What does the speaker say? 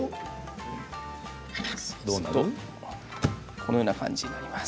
このような感じになります。